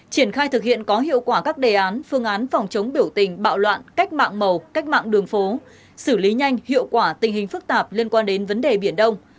triển khai thực hiện có hiệu quả các đề án phương án phòng chống biểu tình bạo loạn cách mạng màu cách mạng đường phố xử lý nhanh hiệu quả tình hình phức tạp liên quan đến vấn đề biển đông